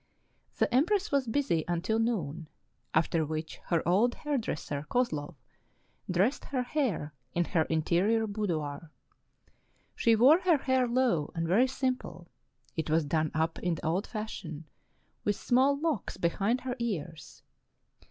The empress was busy until noon, after which her old hair dresser, Kozlov, dressed her hair in her interior boudoir. She wore her hair low and very simple; it was done up in the old fashion, with small locks behind her ears.